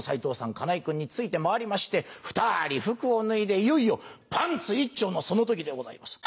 金井君について回りまして二人服を脱いでいよいよパンツいっちょうのその時でございます。